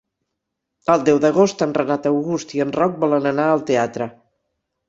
El deu d'agost en Renat August i en Roc volen anar al teatre.